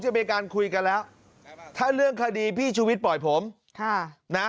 จะมีการคุยกันแล้วถ้าเรื่องคดีพี่ชูวิทย์ปล่อยผมค่ะนะ